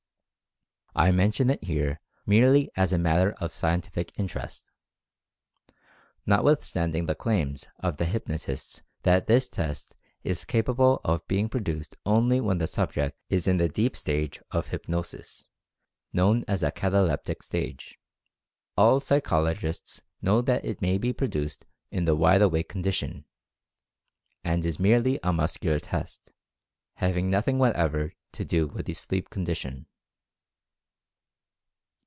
I mention it here merely as a matter of sci entific interest. Notwithstanding the claims of the hypnotists that this test is, capable of being produced only when the subject is in the "deep stage of hyp nosis" known as the "cataleptic stage," all psycholo gists know that it may be produced in the wide awake condition, and is merely a "muscular test," having nothing whatever to do with the "sleep condition."